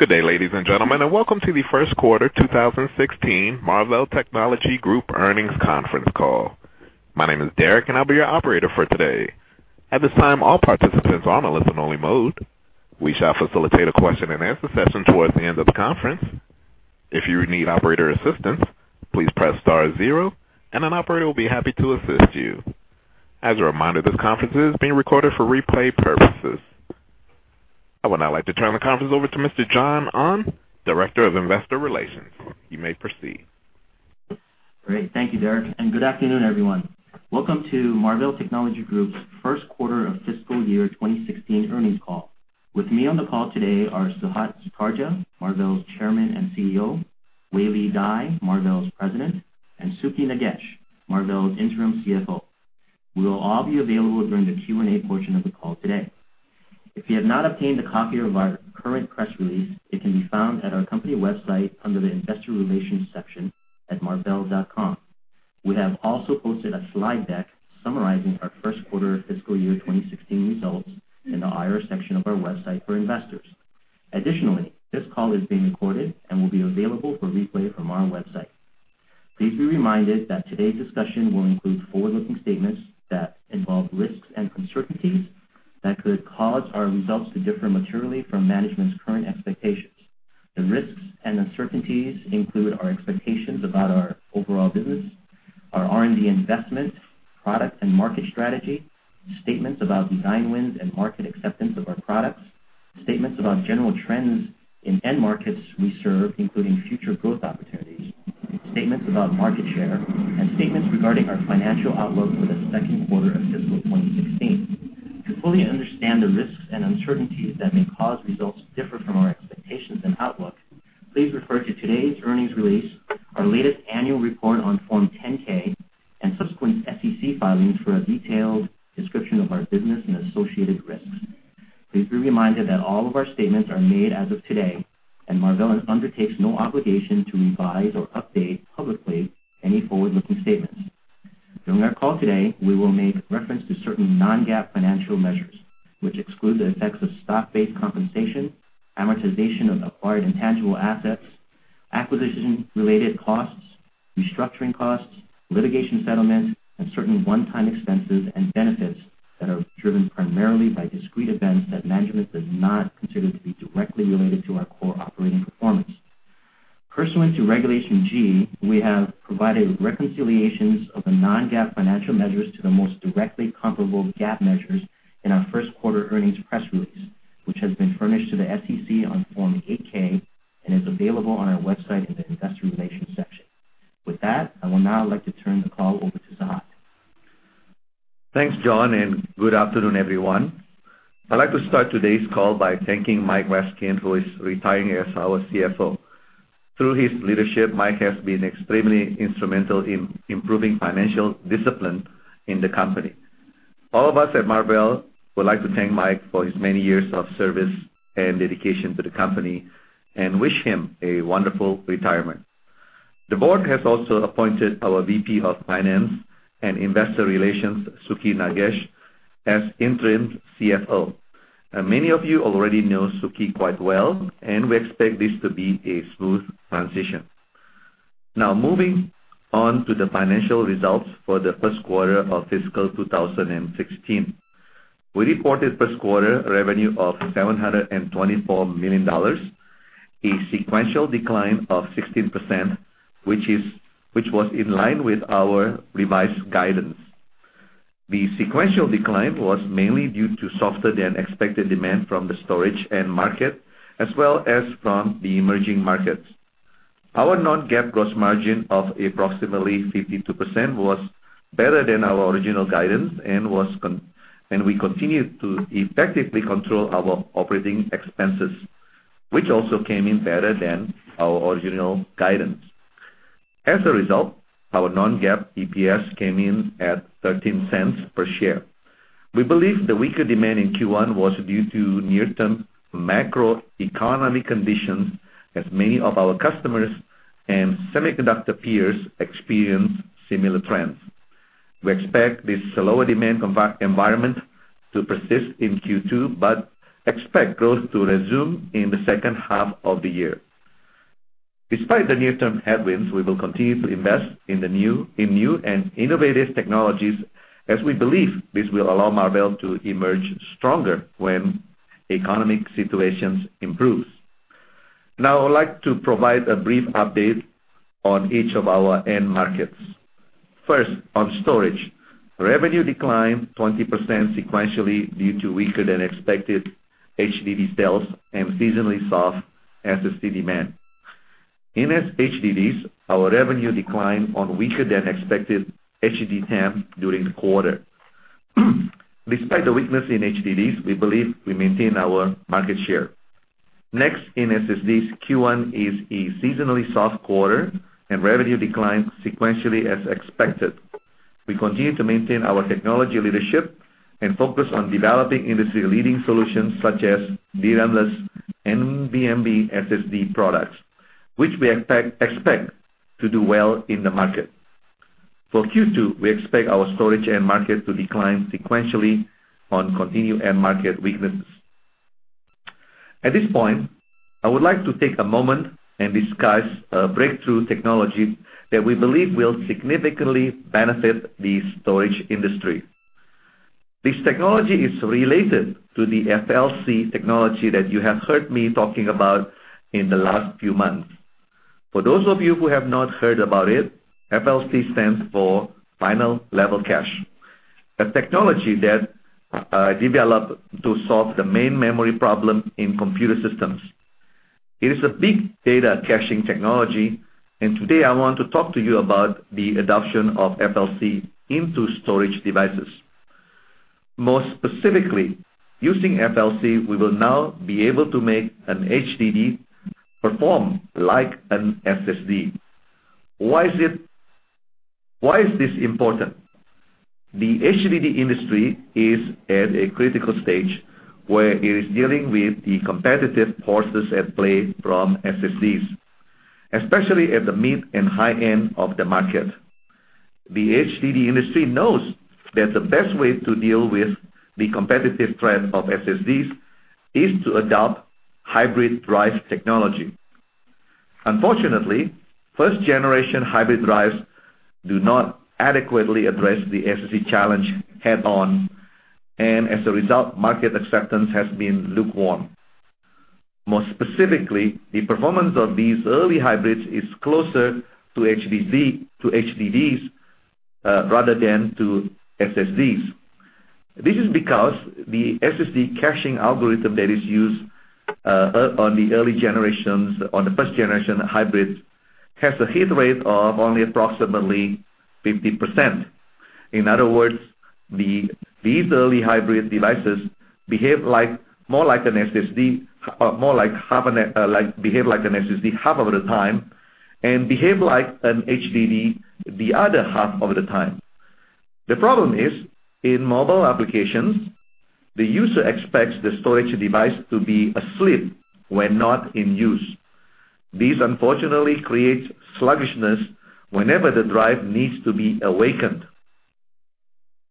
Good day, ladies and gentlemen, and welcome to the first quarter 2016 Marvell Technology Group earnings conference call. My name is Derek, and I will be your operator for today. At this time, all participants are in listen only mode. We shall facilitate a question and answer session towards the end of the conference. If you need operator assistance, please press star zero and an operator will be happy to assist you. As a reminder, this conference is being recorded for replay purposes. I would now like to turn the conference over to Mr. John Ahn, Director of Investor Relations. You may proceed. Great. Thank you, Derek, and good afternoon, everyone. Welcome to Marvell Technology Group's first quarter of fiscal year 2016 earnings call. With me on the call today are Sehat Sutardja, Marvell's Chairman and CEO, Weili Dai, Marvell's President, and Sukhi Nagesh, Marvell's Interim CFO. We will all be available during the Q&A portion of the call today. If you have not obtained a copy of our current press release, it can be found at our company website under the investor relations section at marvell.com. We have also posted a slide deck summarizing our first quarter fiscal year 2016 results in the IR section of our website for investors. Additionally, this call is being recorded and will be available for replay from our website. Please be reminded that today's discussion will include forward-looking statements that involve risks and uncertainties that could cause our results to differ materially from management's current expectations. The risks and uncertainties include our expectations about our overall business, our R&D investment, product and market strategy, statements about design wins and market acceptance of our products, statements about general trends in end markets we serve, including future growth opportunities, statements about market share, and statements regarding our financial outlook for the second quarter of fiscal 2016. To fully understand the risks and uncertainties that may cause results to differ from our expectations and outlook, please refer to today's earnings release, our latest annual report on Form 10-K, and subsequent SEC filings for a detailed description of our business and associated risks. Please be reminded that all of our statements are made as of today. Marvell undertakes no obligation to revise or update publicly any forward-looking statements. During our call today, we will make reference to certain non-GAAP financial measures, which exclude the effects of stock-based compensation, amortization of acquired intangible assets, acquisition-related costs, restructuring costs, litigation settlements, and certain one-time expenses and benefits that are driven primarily by discrete events that management does not consider to be directly related to our core operating performance. Pursuant to Regulation G, we have provided reconciliations of the non-GAAP financial measures to the most directly comparable GAAP measures in our first quarter earnings press release, which has been furnished to the SEC on Form 8-K and is available on our website in the investor relations section. With that, I will now like to turn the call over to Sehat. Thanks, John, and good afternoon, everyone. I'd like to start today's call by thanking Mike Rasquin, who is retiring as our CFO. Through his leadership, Mike has been extremely instrumental in improving financial discipline in the company. All of us at Marvell would like to thank Mike for his many years of service and dedication to the company and wish him a wonderful retirement. The board has also appointed our VP of Finance and Investor Relations, Sukhi Nagesh, as interim CFO. Many of you already know Sukhi quite well, and we expect this to be a smooth transition. Moving on to the financial results for the first quarter of fiscal 2016. We reported first quarter revenue of $724 million, a sequential decline of 16%, which was in line with our revised guidance. The sequential decline was mainly due to softer than expected demand from the storage end market, as well as from the emerging markets. Our non-GAAP gross margin of approximately 52% was better than our original guidance, and we continued to effectively control our operating expenses, which also came in better than our original guidance. As a result, our non-GAAP EPS came in at $0.13 per share. We believe the weaker demand in Q1 was due to near-term macroeconomic conditions as many of our customers and semiconductor peers experienced similar trends. We expect this slower demand environment to persist in Q2, but expect growth to resume in the second half of the year. Despite the near-term headwinds, we will continue to invest in new and innovative technologies as we believe this will allow Marvell to emerge stronger when economic situations improve. I would like to provide a brief update on each of our end markets. First, on storage. Revenue declined 20% sequentially due to weaker than expected HDD sales and seasonally soft SSD demand. In HDDs, our revenue declined on weaker than expected HDD TAM during the quarter. Despite the weakness in HDDs, we believe we maintain our market share. Next, in SSDs Q1 is a seasonally soft quarter and revenue declined sequentially as expected. We continue to maintain our technology leadership and focus on developing industry-leading solutions such as DRAM-less and NVMe SSD products, which we expect to do well in the market. For Q2, we expect our storage end market to decline sequentially on continued end market weakness. At this point, I would like to take a moment and discuss a breakthrough technology that we believe will significantly benefit the storage industry. This technology is related to the FLC technology that you have heard me talking about in the last few months. For those of you who have not heard about it, FLC stands for Final-Level Cache, a technology that developed to solve the main memory problem in computer systems. It is a big data caching technology, and today I want to talk to you about the adoption of FLC into storage devices. More specifically, using FLC, we will now be able to make an HDD perform like an SSD. Why is this important? The HDD industry is at a critical stage where it is dealing with the competitive forces at play from SSDs, especially at the mid and high end of the market. The HDD industry knows that the best way to deal with the competitive threat of SSDs is to adopt hybrid drive technology. Unfortunately, first-generation hybrid drives do not adequately address the SSD challenge head-on, and as a result, market acceptance has been lukewarm. More specifically, the performance of these early hybrids is closer to HDDs rather than to SSDs. This is because the SSD caching algorithm that is used on the first-generation hybrids has a hit rate of only approximately 50%. In other words, these early hybrid devices behave like an SSD half of the time, and behave like an HDD the other half of the time. The problem is, in mobile applications, the user expects the storage device to be asleep when not in use. This unfortunately creates sluggishness whenever the drive needs to be awakened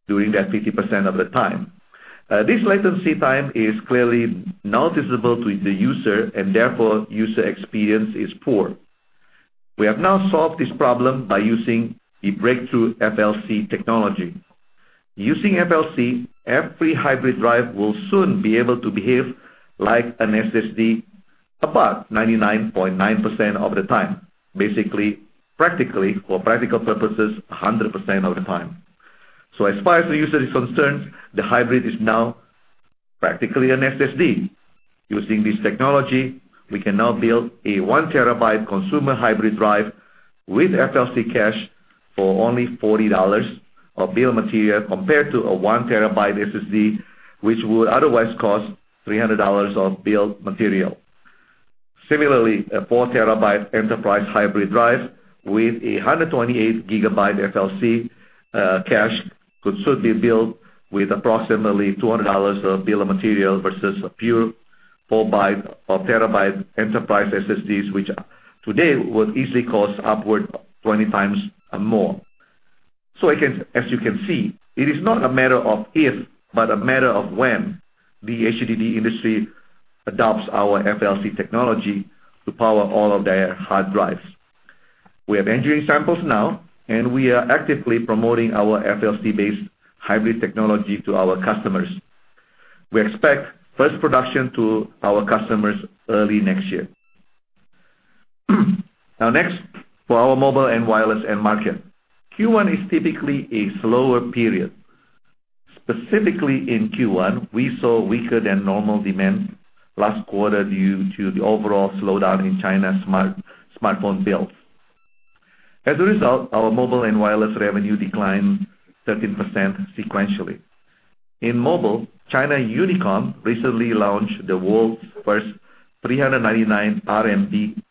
during that 50% of the time. This latency time is clearly noticeable to the user, and therefore user experience is poor. We have now solved this problem by using the breakthrough FLC technology. Using FLC, every hybrid drive will soon be able to behave like an SSD about 99.9% of the time. Basically, practically, for practical purposes, 100% of the time. As far as the user is concerned, the hybrid is now practically an SSD. Using this technology, we can now build a one terabyte consumer hybrid drive with FLC cache for only $40 of bill of material compared to a one terabyte SSD, which would otherwise cost $300 of bill of material. Similarly, a four terabyte enterprise hybrid drive with 128 gigabyte FLC cache could soon be built with approximately $200 of bill of material versus a pure four terabyte enterprise SSDs, which today would easily cost upward 20 times or more. As you can see, it is not a matter of if, but a matter of when the HDD industry adopts our FLC technology to power all of their hard drives. We have engineering samples now, and we are actively promoting our FLC-based hybrid technology to our customers. We expect first production to our customers early next year. Next, for our mobile and wireless end market. Q1 is typically a slower period. Specifically in Q1, we saw weaker than normal demand last quarter due to the overall slowdown in China smartphone build. As a result, our mobile and wireless revenue declined 13% sequentially. In mobile, China Unicom recently launched the world's first 399 RMB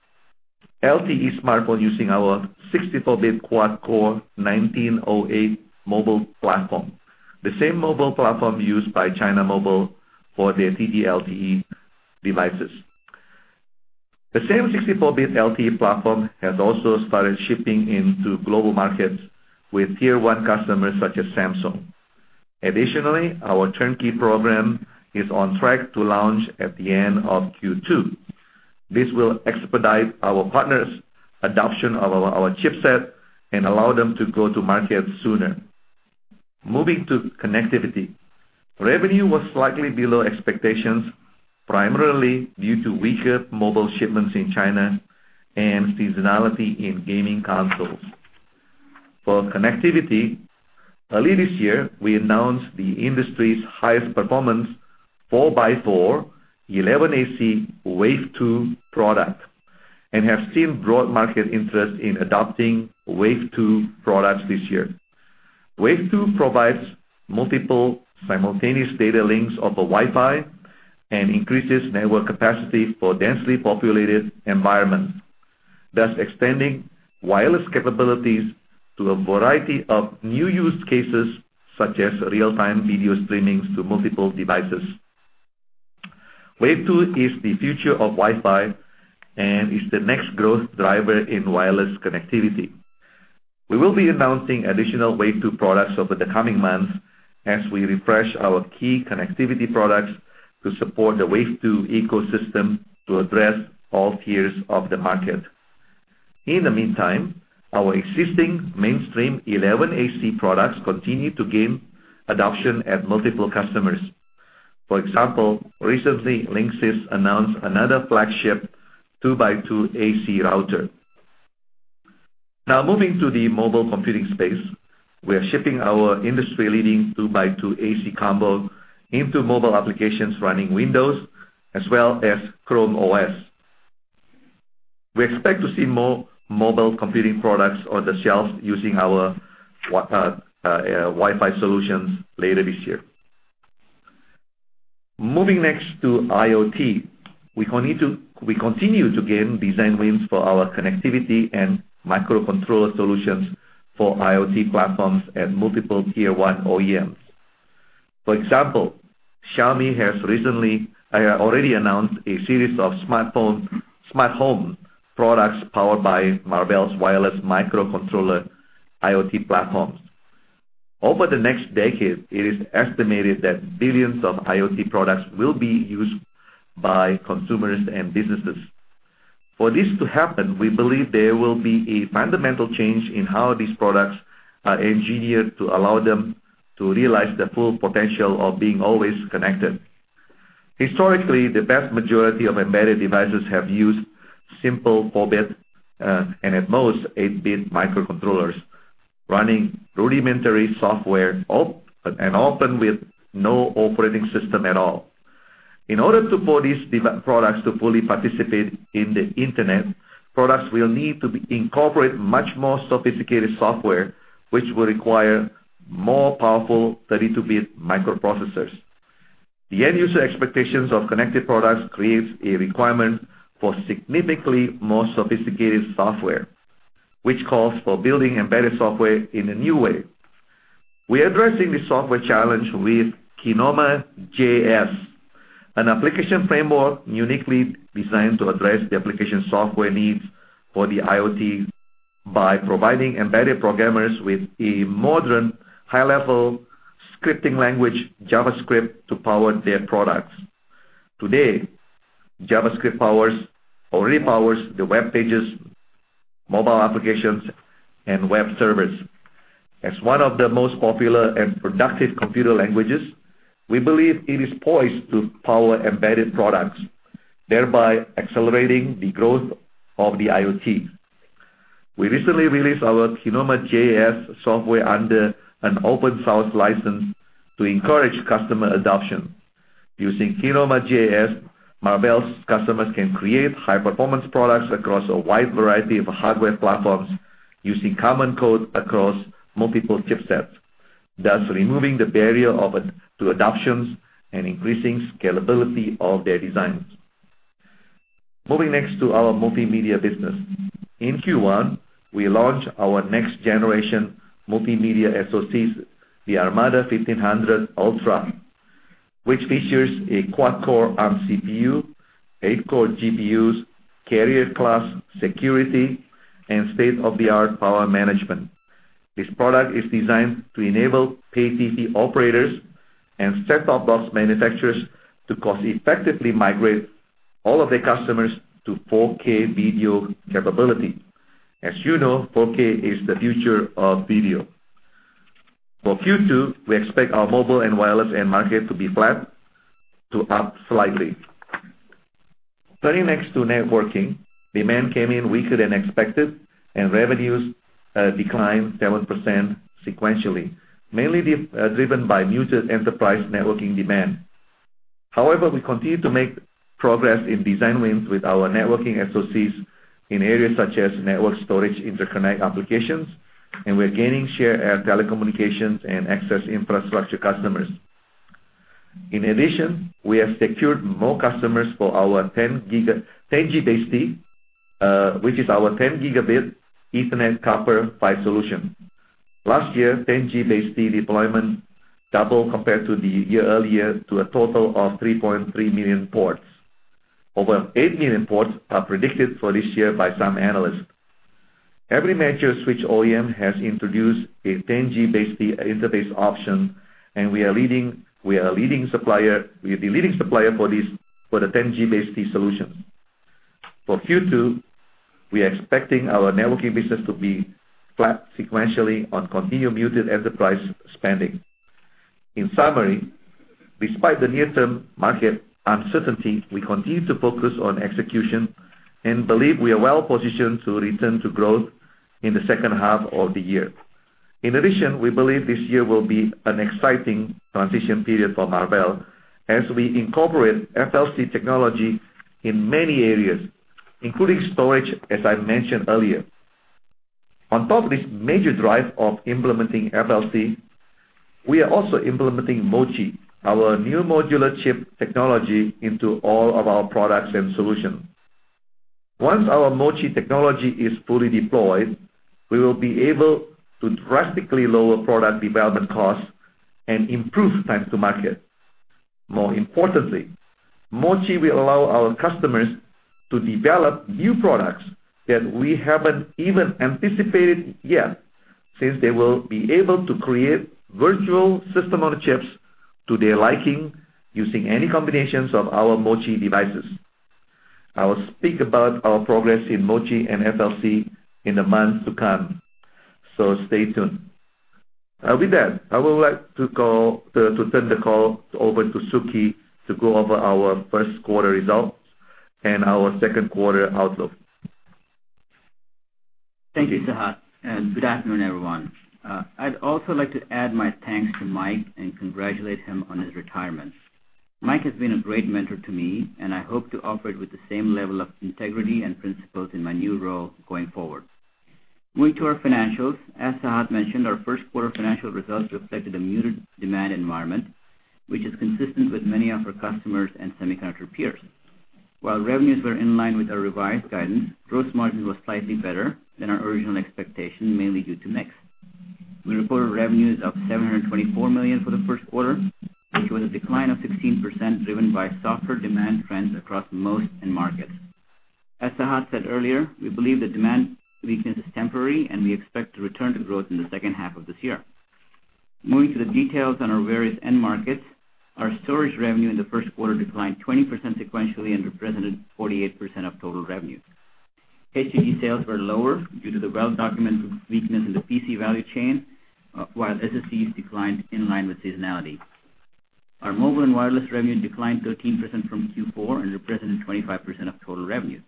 LTE smartphone using our 64-bit quad-core 1908 mobile platform, the same mobile platform used by China Mobile for their TD-LTE devices. The same 64-bit LTE platform has also started shipping into global markets with tier 1 customers such as Samsung. Additionally, our turnkey program is on track to launch at the end of Q2. This will expedite our partners' adoption of our chipset and allow them to go to market sooner. Moving to connectivity. Revenue was slightly below expectations, primarily due to weaker mobile shipments in China and seasonality in gaming consoles. For connectivity, early this year, we announced the industry's highest performance 4x4 11AC Wave 2 product and have seen broad market interest in adopting Wave 2 products this year. Wave 2 provides multiple simultaneous data links over Wi-Fi and increases network capacity for densely populated environments, thus extending wireless capabilities to a variety of new use cases such as real-time video streaming to multiple devices. Wave 2 is the future of Wi-Fi and is the next growth driver in wireless connectivity. We will be announcing additional Wave 2 products over the coming months as we refresh our key connectivity products to support the Wave 2 ecosystem to address all tiers of the market. In the meantime, our existing mainstream 11AC products continue to gain adoption at multiple customers. For example, recently Linksys announced another flagship two by two AC router. Now moving to the mobile computing space, we are shipping our industry-leading two by two AC combo into mobile applications running Windows as well as Chrome OS. We expect to see more mobile computing products on the shelves using our Wi-Fi solutions later this year. Moving next to IoT, we continue to gain design wins for our connectivity and microcontroller solutions for IoT platforms at multiple tier 1 OEMs. For example, Xiaomi has already announced a series of smart home products powered by Marvell's wireless microcontroller IoT platforms. Over the next decade, it is estimated that billions of IoT products will be used by consumers and businesses. For this to happen, we believe there will be a fundamental change in how these products are engineered to allow them to realize the full potential of being always connected. Historically, the vast majority of embedded devices have used simple 4-bit, and at most 8-bit microcontrollers running rudimentary software and often with no operating system at all. In order for these products to fully participate in the internet, products will need to incorporate much more sophisticated software, which will require more powerful 32-bit microprocessors. The end user expectations of connected products creates a requirement for significantly more sophisticated software, which calls for building embedded software in a new way. We are addressing this software challenge with KinomaJS, an application framework uniquely designed to address the application software needs for the IoT by providing embedded programmers with a modern, high-level scripting language, JavaScript, to power their products. Today, JavaScript already powers the web pages, mobile applications, and web servers. As one of the most popular and productive computer languages, we believe it is poised to power embedded products, thereby accelerating the growth of the IoT. We recently released our KinomaJS software under an open source license to encourage customer adoption. Using KinomaJS, Marvell's customers can create high-performance products across a wide variety of hardware platforms using common code across multiple chipsets, thus removing the barrier to adoptions and increasing scalability of their designs. Moving next to our multimedia business. In Q1, we launched our next generation multimedia SoCs, the ARMADA 1500 Ultra, which features a quad-core ARM CPU, eight-core GPUs, carrier class security, and state-of-the-art power management. This product is designed to enable pay TV operators and set-top box manufacturers to cost effectively migrate all of their customers to 4K video capability. As you know, 4K is the future of video. For Q2, we expect our mobile and wireless end market to be flat to up slightly. Turning next to networking, demand came in weaker than expected, and revenues declined 7% sequentially, mainly driven by muted enterprise networking demand. However, we continue to make progress in design wins with our networking ASICs in areas such as network storage, interconnect applications, and we're gaining share at telecommunications and access infrastructure customers. In addition, we have secured more customers for our 10GBASE-T, which is our 10 Gigabit Ethernet copper PHY solution. Last year, 10GBASE-T deployment doubled compared to the year earlier to a total of 3.3 million ports. Over eight million ports are predicted for this year by some analysts. Every major switch OEM has introduced a 10GBASE-T interface option, and we are the leading supplier for the 10GBASE-T solution. For Q2, we are expecting our networking business to be flat sequentially on continued muted enterprise spending. In summary, despite the near-term market uncertainty, we continue to focus on execution and believe we are well positioned to return to growth in the second half of the year. In addition, we believe this year will be an exciting transition period for Marvell as we incorporate FLC technology in many areas, including storage, as I mentioned earlier. On top of this major drive of implementing FLC, we are also implementing MoChi, our new modular chip technology, into all of our products and solutions. Once our MoChi technology is fully deployed, we will be able to drastically lower product development costs and improve time to market. More importantly, MoChi will allow our customers to develop new products that we haven't even anticipated yet, since they will be able to create virtual system-on-chips to their liking using any combinations of our MoChi devices. I will speak about our progress in MoChi and FLC in the months to come. Stay tuned. With that, I would like to turn the call over to Sukhi to go over our first quarter results and our second quarter outlook. Thank you, Sehat, and good afternoon, everyone. I'd also like to add my thanks to Mike and congratulate him on his retirement. Mike has been a great mentor to me, and I hope to operate with the same level of integrity and principles in my new role going forward. Moving to our financials, as Sehat mentioned, our first quarter financial results reflected a muted demand environment, which is consistent with many of our customers and semiconductor peers. While revenues were in line with our revised guidance, gross margin was slightly better than our original expectation, mainly due to mix. We reported revenues of $724 million for the first quarter, which was a decline of 16% driven by softer demand trends across most end markets. As Sehat said earlier, we believe the demand weakness is temporary, and we expect to return to growth in the second half of this year. Moving to the details on our various end markets, our storage revenue in the first quarter declined 20% sequentially and represented 48% of total revenue. HDD sales were lower due to the well-documented weakness in the PC value chain, while SSDs declined in line with seasonality. Our mobile and wireless revenue declined 13% from Q4 and represented 25% of total revenue.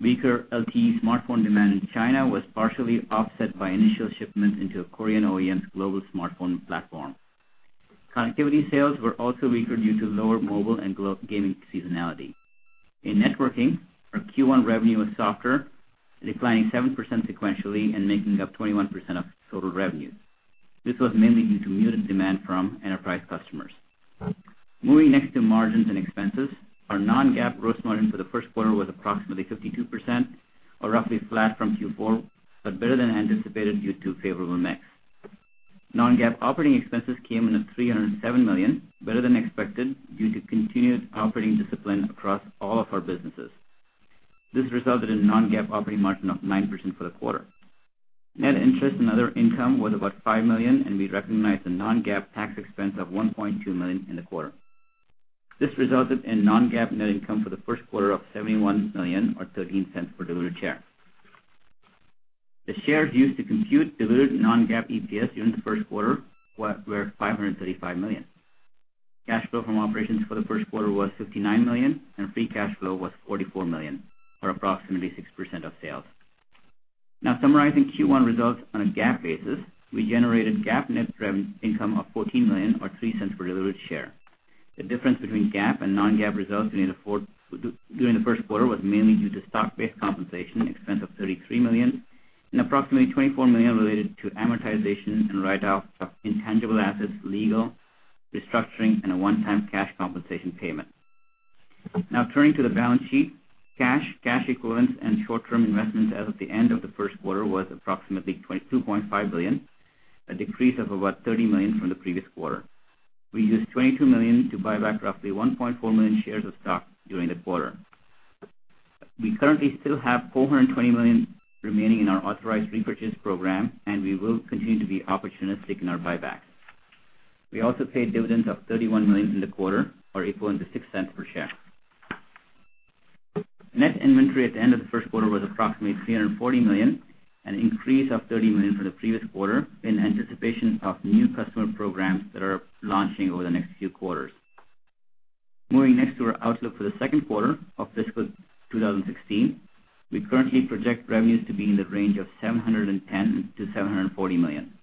Weaker LTE smartphone demand in China was partially offset by initial shipments into a Korean OEM's global smartphone platform. Connectivity sales were also weaker due to lower mobile and global gaming seasonality. In networking, our Q1 revenue was softer, declining 7% sequentially and making up 21% of total revenue. This was mainly due to muted demand from enterprise customers. Moving next to margins and expenses, our non-GAAP gross margin for the first quarter was approximately 52%, or roughly flat from Q4, but better than anticipated due to favorable mix. Non-GAAP operating expenses came in at $307 million, better than expected due to continued operating discipline across all of our businesses. This resulted in non-GAAP operating margin of 9% for the quarter. Net interest and other income was about $5 million, and we recognized a non-GAAP tax expense of $1.2 million in the quarter. This resulted in non-GAAP net income for the first quarter of $71 million, or $0.13 per diluted share. The shares used to compute diluted non-GAAP EPS during the first quarter were 535 million. Cash flow from operations for the first quarter was $59 million, and free cash flow was $44 million, or approximately 6% of sales. Summarizing Q1 results on a GAAP basis, we generated GAAP net income of $14 million, or $0.03 per diluted share. The difference between GAAP and non-GAAP results during the first quarter was mainly due to stock-based compensation expense of $33 million and approximately $24 million related to amortization and write-off of intangible assets, legal, restructuring, and a one-time cash compensation payment. Turning to the balance sheet, cash equivalents, and short-term investments as of the end of the first quarter was approximately $2.5 billion, a decrease of about $30 million from the previous quarter. We used $22 million to buy back roughly 1.4 million shares of stock during the quarter. We currently still have $420 million remaining in our authorized repurchase program, and we will continue to be opportunistic in our buyback. We also paid dividends of $31 million in the quarter, or equivalent to $0.06 per share. Net inventory at the end of the first quarter was approximately $340 million, an increase of $30 million from the previous quarter in anticipation of new customer programs that are launching over the next few quarters. Moving next to our outlook for the second quarter of fiscal 2016, we currently project revenues to be in the range of $710 million-$740 million.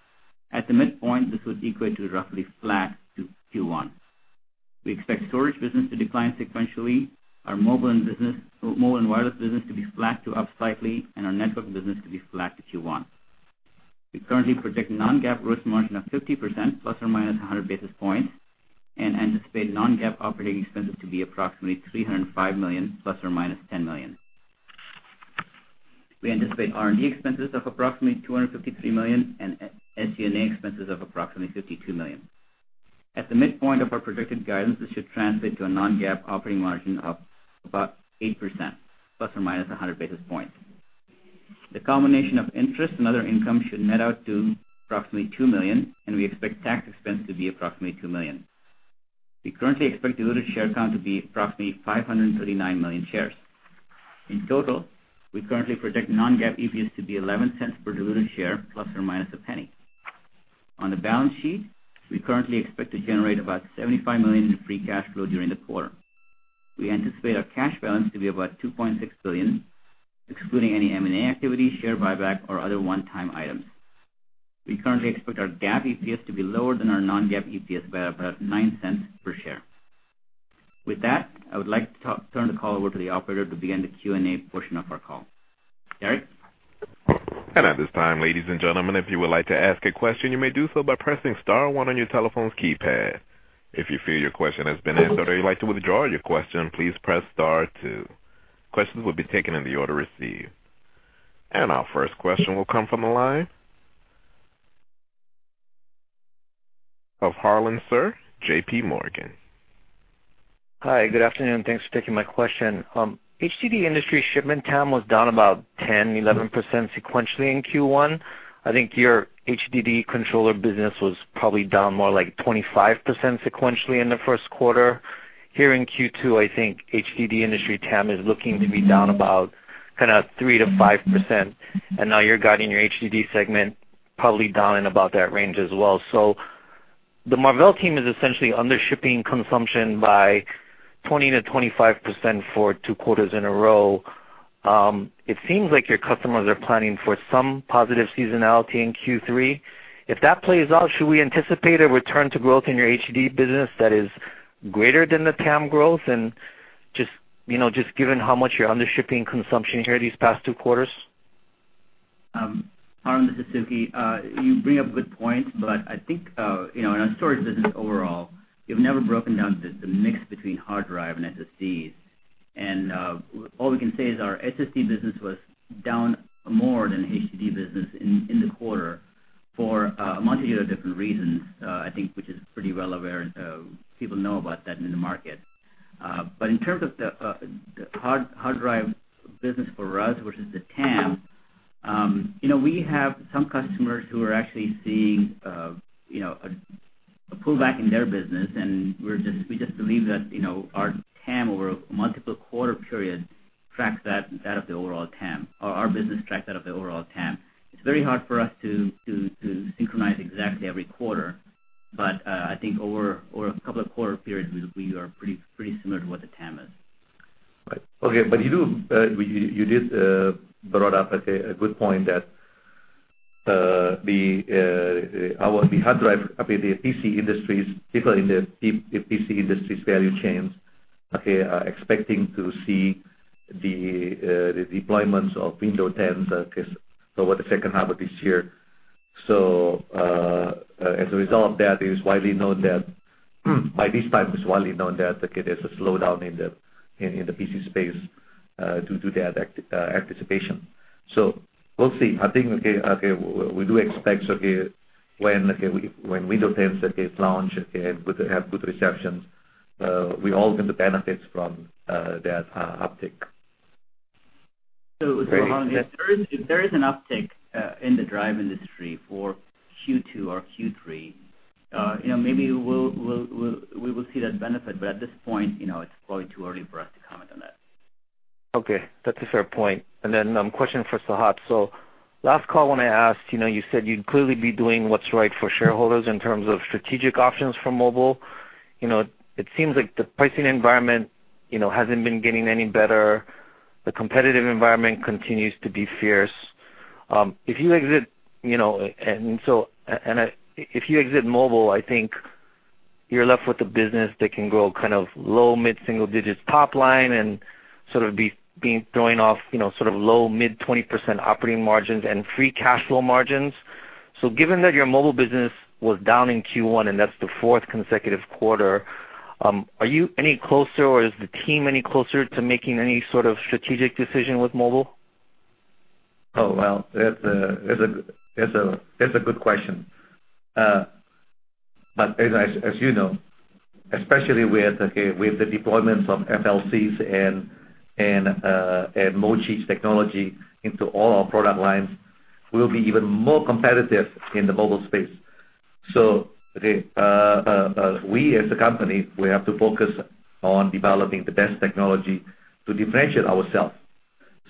At the midpoint, this would equate to roughly flat to Q1. We expect storage business to decline sequentially, our mobile and wireless business to be flat to up slightly, and our network business to be flat to Q1. We currently project non-GAAP gross margin of 50% ± 100 basis points and anticipate non-GAAP operating expenses to be approximately $305 million ± $10 million. We anticipate R&D expenses of approximately $253 million and SG&A expenses of approximately $52 million. At the midpoint of our projected guidance, this should translate to a non-GAAP operating margin of about 8% ± 100 basis points. The combination of interest and other income should net out to approximately $2 million. We expect tax expense to be approximately $2 million. We currently expect diluted share count to be approximately 539 million shares. In total, we currently project non-GAAP EPS to be $0.11 per diluted share ± $0.01. On the balance sheet, we currently expect to generate about $75 million in free cash flow during the quarter. We anticipate our cash balance to be about $2.6 billion, excluding any M&A activity, share buyback, or other one-time items. We currently expect our GAAP EPS to be lower than our non-GAAP EPS by about $0.09 per share. With that, I would like to turn the call over to the operator to begin the Q&A portion of our call. Derek? At this time, ladies and gentlemen, if you would like to ask a question, you may do so by pressing star one on your telephone's keypad. If you feel your question has been answered or you'd like to withdraw your question, please press star two. Questions will be taken in the order received. Our first question will come from the line of Harlan Sur, J.P. Morgan. Hi, good afternoon, thanks for taking my question. HDD industry shipment TAM was down about 10%-11% sequentially in Q1. I think your HDD controller business was probably down more like 25% sequentially in the first quarter. Here in Q2, I think HDD industry TAM is looking to be down about kind of 3%-5%. Now you're guiding your HDD segment probably down in about that range as well. The Marvell team is essentially under shipping consumption by 20%-25% for two quarters in a row. It seems like your customers are planning for some positive seasonality in Q3. If that plays out, should we anticipate a return to growth in your HDD business that is greater than the TAM growth? Just given how much you're under shipping consumption here these past two quarters. Harlan, this is Sukhi. You bring up good points, I think in our storage business overall, we've never broken down the mix between hard drive and SSDs. All we can say is our SSD business was down more than HDD business in the quarter for a multitude of different reasons, I think, which is pretty well aware, and people know about that in the market. In terms of the hard drive business for us versus the TAM, we have some customers who are actually seeing a pullback in their business, we just believe that our TAM over a multiple quarter period tracks that of the overall TAM, or our business tracks that of the overall TAM. It's very hard for us to synchronize exactly every quarter. I think over a couple of quarter periods, we are pretty similar to what the TAM is. Right. Okay. You did bring up a good point that the hard drive, the PC industry, particularly in the PC industry's value chains, are expecting to see the deployments of Windows 10 over the second half of this year. As a result of that, it is widely known that by this time, there's a slowdown in the PC space due to that anticipation. We'll see. I think, okay, we do expect when Windows 10 is launched and have good receptions, we all benefit from that uptick. If there is an uptick in the drive industry for Q2 or Q3, maybe we will see that benefit. At this point, it's probably too early for us to comment on that. Okay, that's a fair point. Question for Sehat. Last call when I asked, you said you'd clearly be doing what's right for shareholders in terms of strategic options for mobile. It seems like the pricing environment hasn't been getting any better. The competitive environment continues to be fierce. If you exit mobile, I think you're left with a business that can grow kind of low, mid-single digits top line, and sort of be throwing off sort of low, mid 20% operating margins and free cash flow margins. Given that your mobile business was down in Q1 and that's the fourth consecutive quarter, are you any closer or is the team any closer to making any sort of strategic decision with mobile? Well, that's a good question. As you know, especially with the deployments of FLCs and MoChi technology into all our product lines, we'll be even more competitive in the mobile space. We as a company, we have to focus on developing the best technology to differentiate ourselves.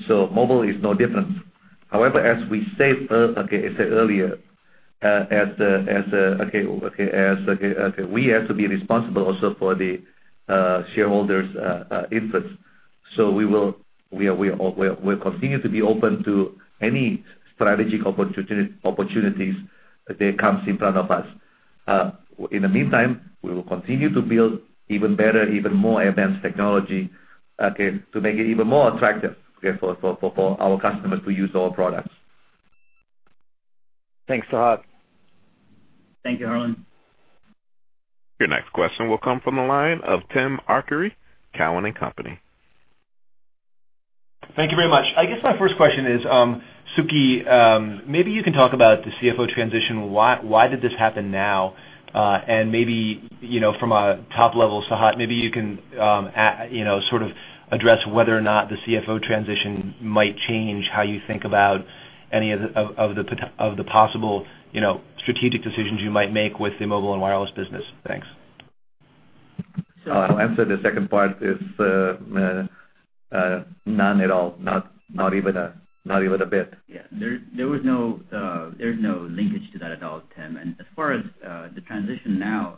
Mobile is no different. However, as we said earlier, we have to be responsible also for the shareholders' inputs. We'll continue to be open to any strategic opportunities that comes in front of us. In the meantime, we will continue to build even better, even more advanced technology to make it even more attractive for our customers to use our products. Thanks, Sehat. Thank you, Harlan. Your next question will come from the line of Timothy Arcuri, Cowen and Company. Thank you very much. I guess my first question is, Sukhi, maybe you can talk about the CFO transition. Why did this happen now? Maybe from a top level, Sehat, maybe you can sort of address whether or not the CFO transition might change how you think about any of the possible strategic decisions you might make with the mobile and wireless business. Thanks. I'll answer the second part is none at all. Not even a bit. Yeah. There's no linkage to that at all, Tim. As far as the transition now,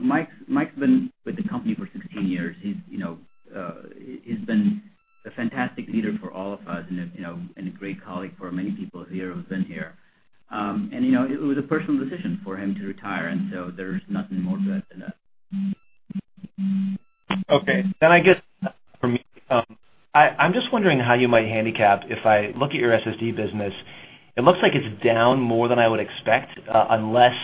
Mike's been with the company for 16 years. He's been a fantastic leader for all of us and a great colleague for many people here who've been here. It was a personal decision for him to retire. There's nothing more to add to that. Okay. I guess for me, I'm just wondering how you might handicap if I look at your SSD business, it looks like it's down more than I would expect, unless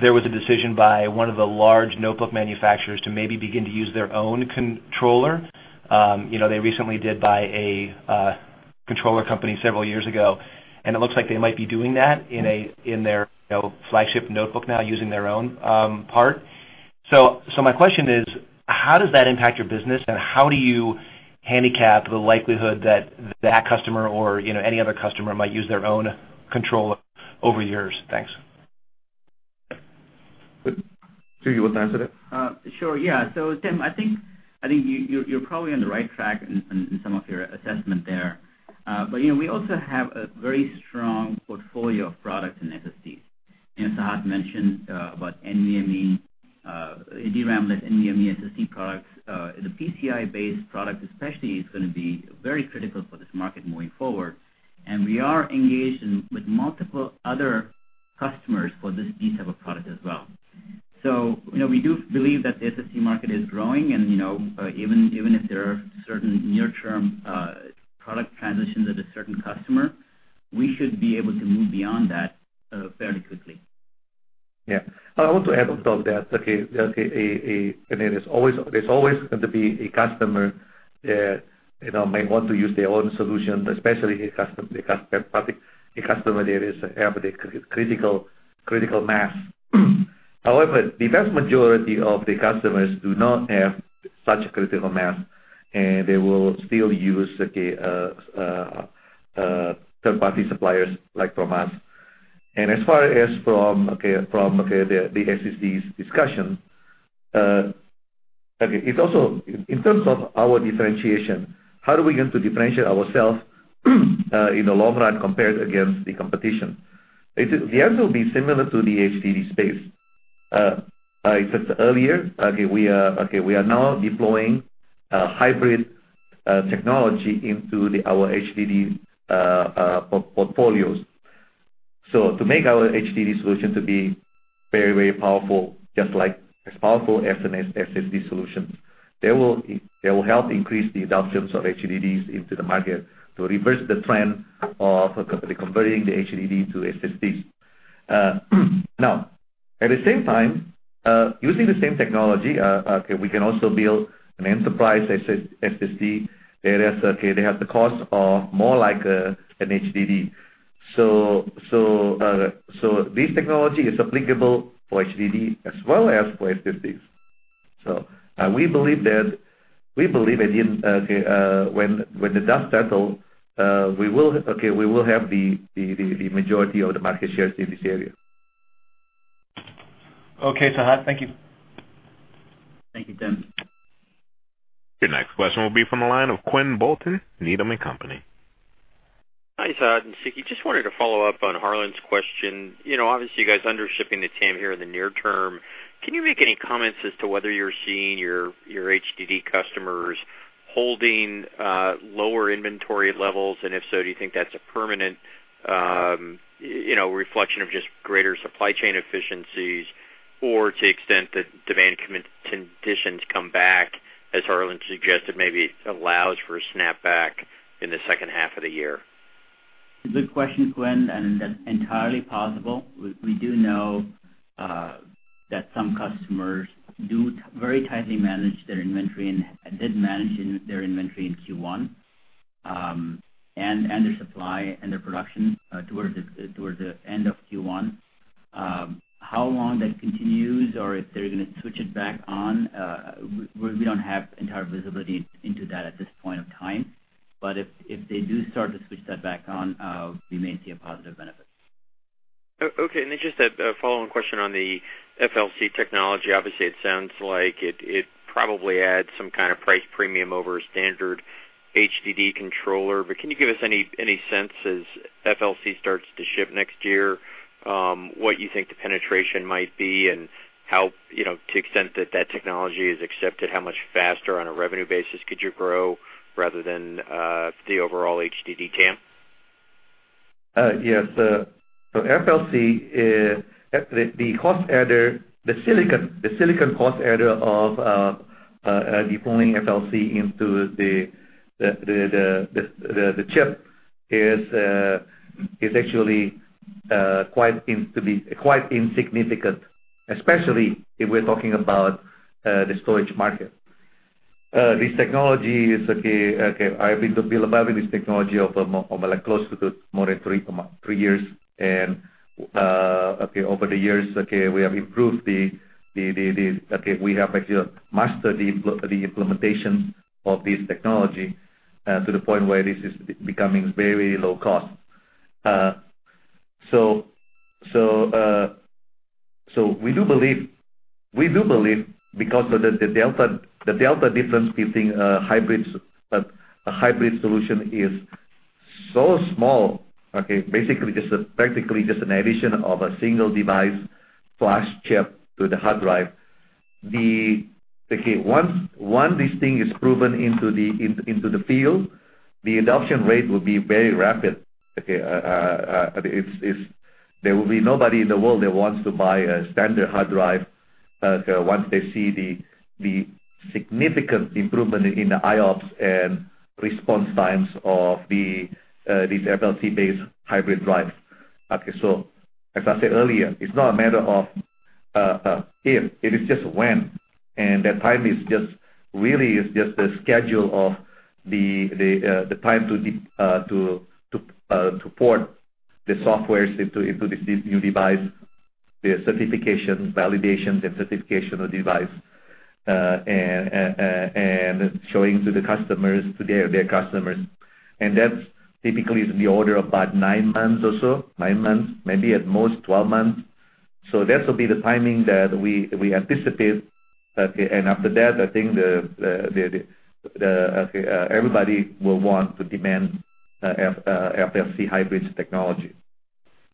there was a decision by one of the large notebook manufacturers to maybe begin to use their own controller. They recently did buy a controller company several years ago, and it looks like they might be doing that in their flagship notebook now using their own part. My question is, how does that impact your business, and how do you handicap the likelihood that that customer or any other customer might use their own control over yours? Thanks. Sukhi, you want to answer that? Sure, yeah. Tim, I think you're probably on the right track in some of your assessment there. We also have a very strong portfolio of products in SSDs. Sehat mentioned about NVMe, DRAM-less NVMe SSD products. The PCI-based product especially is going to be very critical for this market moving forward, and we are engaged with multiple other customers for these type of products as well. We do believe that the SSD market is growing, and even if there are certain near-term product transitions at a certain customer, we should be able to move beyond that fairly quickly. Yeah. I want to add on top of that, there's always going to be a customer that might want to use their own solution, especially a customer that has the critical mass. However, the vast majority of the customers do not have such a critical mass, and they will still use third-party suppliers like from us. As far as from the SSD's discussion, in terms of our differentiation, how do we begin to differentiate ourselves in the long run compared against the competition? The answer will be similar to the HDD space. I said earlier, we are now deploying hybrid technology into our HDD portfolios. To make our HDD solution to be very powerful, just as powerful as an SSD solution, they will help increase the adoption of HDDs into the market to reverse the trend of converting the HDD to SSDs. At the same time, using the same technology, we can also build an enterprise SSD that has the cost of more like an HDD. This technology is applicable for HDD as well as for SSDs. We believe that when the dust settles, we will have the majority of the market shares in this area. Sehat. Thank you. Thank you, Tim. Your next question will be from the line of Quinn Bolton, Needham & Company. Hi, Sehat and Sukhi. Just wanted to follow up on Harlan's question. Obviously, you guys undershipping the TAM here in the near term. Can you make any comments as to whether you're seeing your HDD customers holding lower inventory levels? If so, do you think that's a permanent reflection of just greater supply chain efficiencies or to extent that demand conditions come back, as Harlan suggested, maybe allows for a snapback in the second half of the year? Good question, Quinn. That's entirely possible. We do know that some customers do very tightly manage their inventory and did manage their inventory in Q1, and their supply and their production towards the end of Q1. How long that continues or if they're going to switch it back on, we don't have entire visibility into that at this point of time. If they do start to switch that back on, we may see a positive benefit. Okay. Just a follow-on question on the FLC technology. Obviously, it sounds like it probably adds some kind of price premium over a standard HDD controller, but can you give us any sense as FLC starts to ship next year, what you think the penetration might be and how, to extent that that technology is accepted, how much faster on a revenue basis could you grow rather than the overall HDD TAM? Yes. FLC, the silicon cost adder of deploying FLC into the chip is actually quite insignificant, especially if we're talking about the storage market. I've been developing this technology for close to more than three years, and over the years, we have actually mastered the implementation of this technology to the point where this is becoming very low cost. We do believe because the delta difference between a hybrid solution is so small, basically just practically just an addition of a single device flash chip to the hard drive. Once this thing is proven into the field, the adoption rate will be very rapid. Okay. There will be nobody in the world that wants to buy a standard hard drive, once they see the significant improvement in the IOPS and response times of these FLC-based hybrid drives. Okay, as I said earlier, it's not a matter of if, it is just when, the time is just really is just the schedule of the time to port the softwares into this new device, the certification, validation of device. Showing to their customers. That's typically is in the order of about nine months or so, maybe at most 12 months. That will be the timing that we anticipate. Okay. After that, I think everybody will want to demand FLC hybrids technology.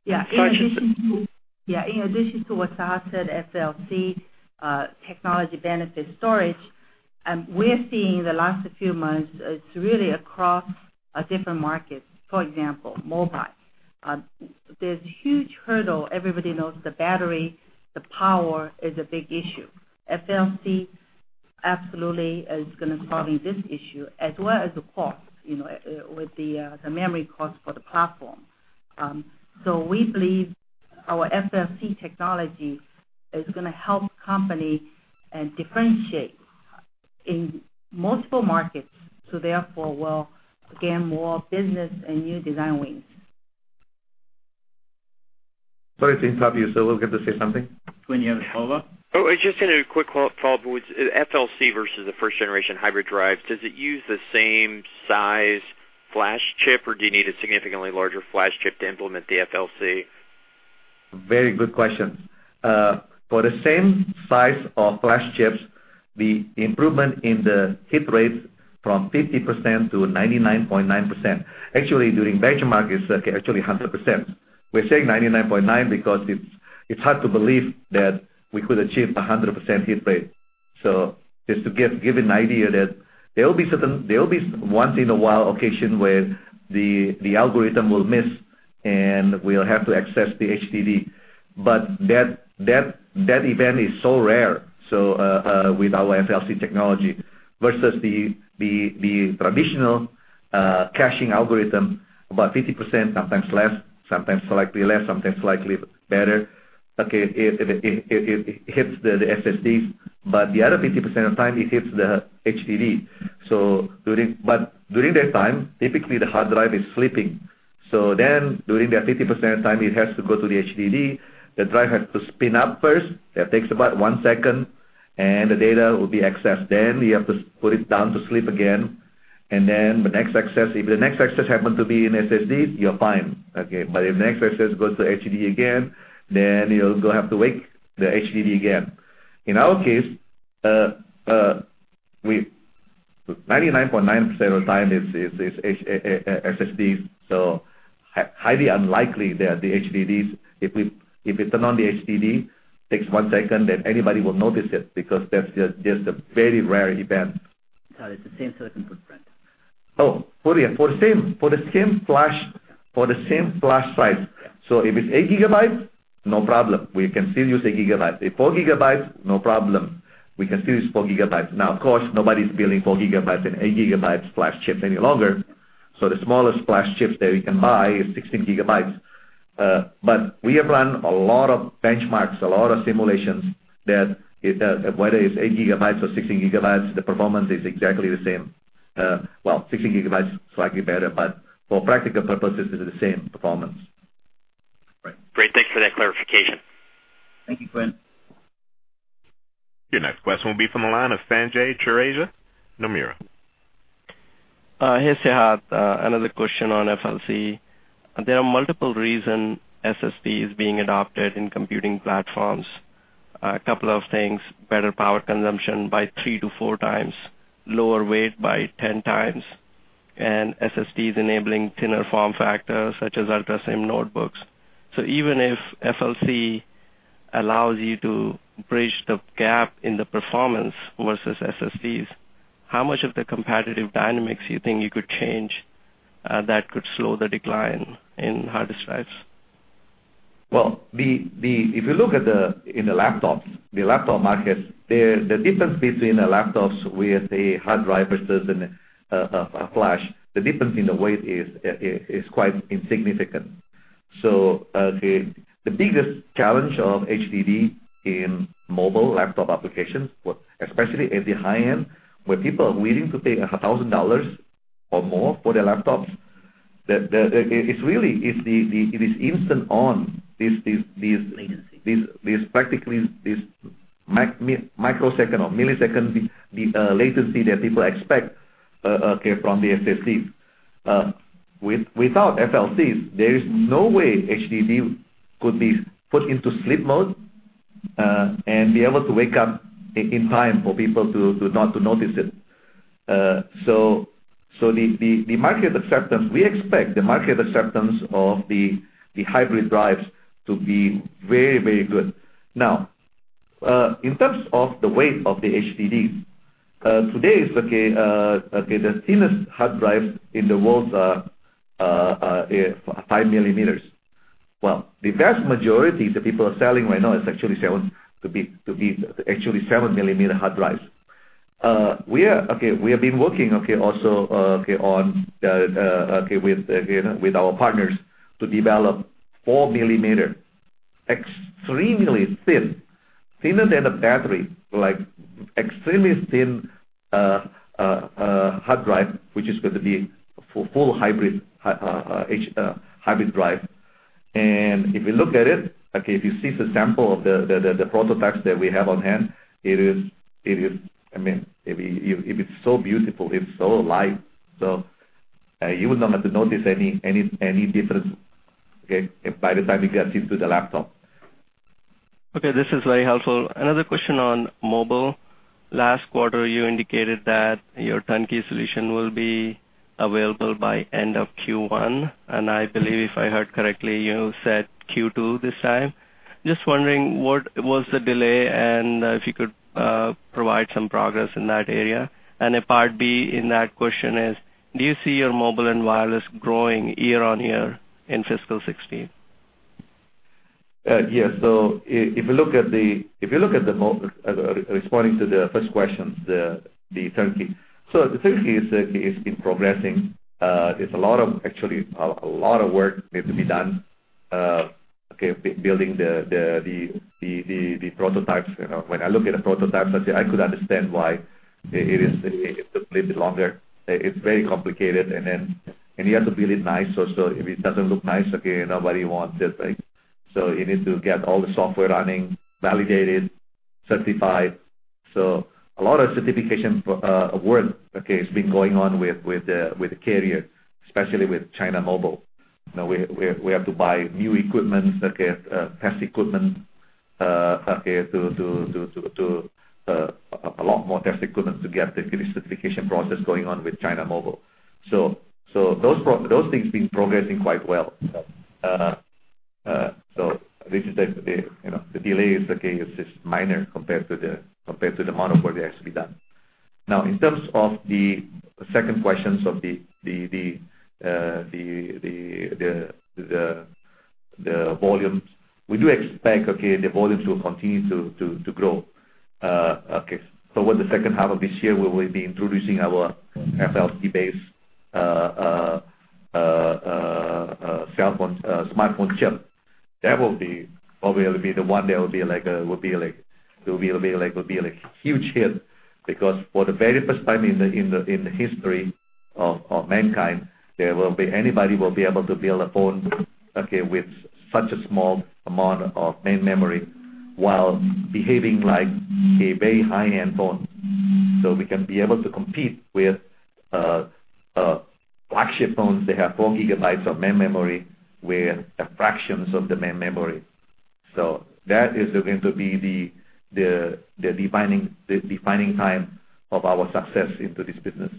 Yeah. In addition to what Sehat said, FLC technology benefits storage. We're seeing the last few months, it's really across different markets, for example, mobile. There's a huge hurdle. Everybody knows the battery, the power is a big issue. FLC absolutely is going to solve this issue as well as the cost, with the memory cost for the platform. We believe our FLC technology is going to help company differentiate in multiple markets, therefore will gain more business and new design wins. Sorry to interrupt you. We'll get to say something. When you have it over. I just had a quick follow-up with FLC versus the first generation hybrid drive. Does it use the same size flash chip, or do you need a significantly larger flash chip to implement the FLC? Very good question. For the same size of flash chips, the improvement in the hit rate from 50% to 99.9%. Actually, during benchmark is actually 100%. We're saying 99.9 because it's hard to believe that we could achieve 100% hit rate. Just to give an idea that there will be once in a while occasion where the algorithm will miss, and we'll have to access the HDD. That event is so rare with our FLC technology versus the traditional caching algorithm, about 50%, sometimes less, sometimes slightly less, sometimes slightly better. Okay. It hits the SSDs, the other 50% of time it hits the HDD. During that time, typically the hard drive is sleeping. During that 50% time, it has to go to the HDD. The drive has to spin up first. That takes about one second, and the data will be accessed. You have to put it down to sleep again, and the next access, if the next access happen to be in SSD, you're fine. Okay. If the next access goes to HDD again, you'll have to wake the HDD again. In our case, 99.9% of time is SSD, so highly unlikely that the HDDs, if we turn on the HDD, takes one second, then anybody will notice it because that's just a very rare event. It's the same silicon footprint. For the same flash size. If it's 8 gigabytes, no problem. We can still use 8 gigabytes. If 4 gigabytes, no problem. We can still use 4 gigabytes. Of course, nobody's building 4 gigabytes and 8 gigabytes flash chips any longer. The smallest flash chips that we can buy is 16 gigabytes. We have run a lot of benchmarks, a microsecond or millisecond latency that people expect, okay, from the SSDs. Without FLCs, there is no way HDD could be put into sleep mode, and be able to wake up in time for people to not to notice it. The market acceptance, we expect the market acceptance of the hybrid drives to be very, very good. In terms of the weight of the HDDs, today the thinnest hard drive in the world is 5 millimeters. The vast majority that people are selling right now is actually 7-millimeter hard drives. We have been working also with our partners to develop 4-millimeter, extremely thin, thinner than a battery, extremely thin hard drive, which is going to be a full hybrid drive. If you look at it, if you see the sample of the prototypes that we have on hand, it's so beautiful. It's so light. You would not notice any difference by the time it gets into the laptop. Okay, this is very helpful. Another question on mobile. Last quarter, you indicated that your turnkey solution will be available by end of Q1, and I believe if I heard correctly, you said Q2 this time. Just wondering what was the delay and if you could provide some progress in that area. A part B in that question is, do you see your mobile and wireless growing year-over-year in fiscal 2016? Yeah. If you look at the responding to the first question, the turnkey. The turnkey has been progressing. There's a lot of work that needs to be done building the prototypes. When I look at the prototypes, I could understand why it took a little bit longer. It's very complicated, and you have to build it nice, or if it doesn't look nice, nobody wants it. You need to get all the software running, validated, certified. A lot of certification work has been going on with the carrier, especially with China Mobile. We have to buy new test equipment, a lot more test equipment to get the certification process going on with China Mobile. Those things have been progressing quite well. The delay is just minor compared to the amount of work that has to be done. Now, in terms of the second question of the volumes, we do expect the volumes will continue to grow. For the second half of this year, we will be introducing our FLC-based smartphone chip. That will probably be the one that will be a huge hit because for the very first time in the history of mankind, anybody will be able to build a phone with such a small amount of main memory while behaving like a very high-end phone. We can be able to compete with flagship phones that have 4 gigabytes of main memory with a fraction of the main memory. That is going to be the defining time of our success into this business.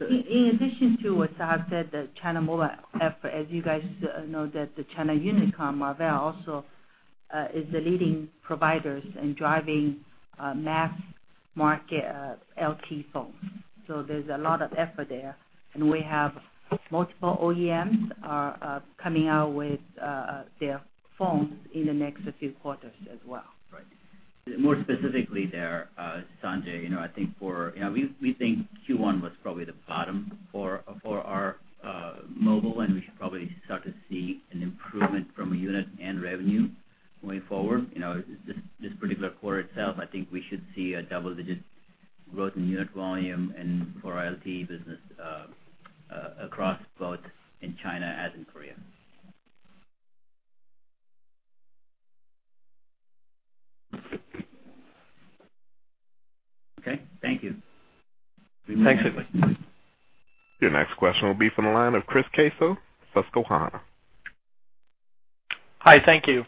Yeah. In addition to what Sehat said, the China Mobile effort, as you guys know that the China Unicom Marvell also is the leading provider in driving mass-market LTE phones. There's a lot of effort there, and we have multiple OEMs are coming out with their phones in the next few quarters as well. Right. More specifically there, Sanjay, we think Q1 was probably the bottom for our mobile, and we should probably start to see an improvement from a unit and revenue going forward. This particular quarter itself, I think we should see a double-digit growth in unit volume and for our LTE business across both in China as in Korea. Okay. Thank you. Thank you. Your next question will be from the line of Chris Caso, Susquehanna. Hi. Thank you.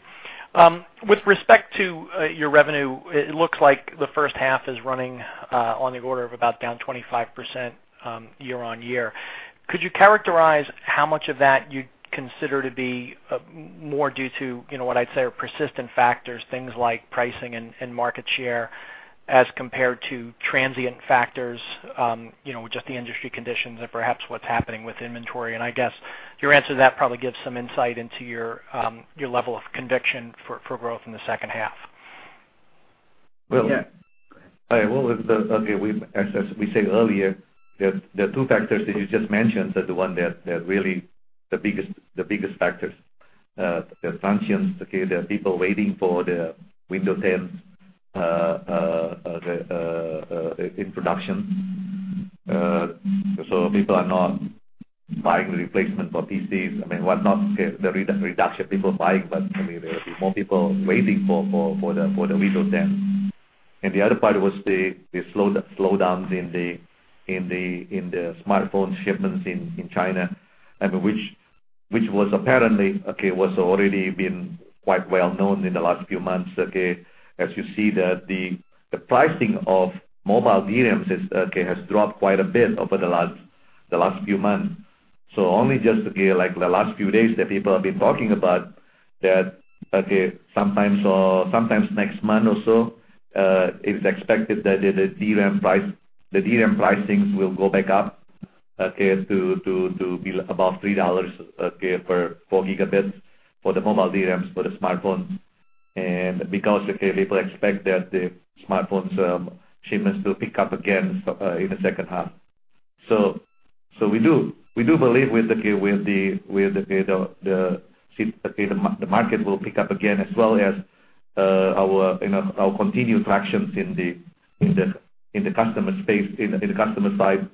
With respect to your revenue, it looks like the first half is running on the order of about down 25% year-over-year. Could you characterize how much of that you'd consider to be more due to what I'd say are persistent factors, things like pricing and market share, as compared to transient factors, just the industry conditions and perhaps what's happening with inventory? I guess your answer to that probably gives some insight into your level of conviction for growth in the second half. Well- Yeah. Go ahead. As we said earlier, the two factors that you just mentioned are the ones that are really the biggest factors. They're transient. There are people waiting for the Windows 10 introduction. People are not buying the replacement for PCs. I mean, whatnot, the reduction people buying, but there will be more people waiting for the Windows 10. The other part was the slowdowns in the smartphone shipments in China, which apparently was already been quite well known in the last few months. As you see, the pricing of mobile DRAMs has dropped quite a bit over the last few months. Only just the last few days that people have been talking about that sometimes next month or so, it is expected that the DRAM pricing will go back up to be above $3 per four gigabits for the mobile DRAMs, for the smartphones. Because people expect that the smartphone shipments to pick up again in the second half. We do believe the market will pick up again as well as our continued tractions in the customer side